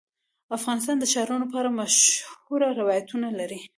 افغانستان د ښارونو په اړه مشهور روایتونه لري.